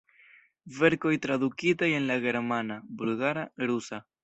Verkoj tradukitaj en la germana, bulgara, rusa.